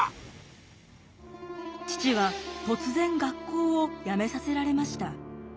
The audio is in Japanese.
父は突然学校を辞めさせられました。